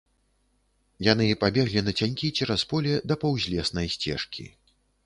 Яны пабеглі нацянькі цераз поле да паўзлеснай сцежкі.